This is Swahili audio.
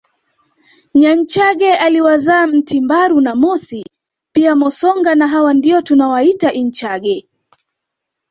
Nyanchage aliwazaa Mtimbaru na Mosi pia Mosonga na hawa ndio tunawaita inchage